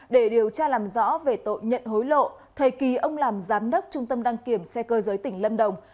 để điều tra làm rõ về tội nhận hối lộ thời kỳ ông làm giám đốc trung tâm đăng kiểm xe cơ giới tỉnh lâm đồng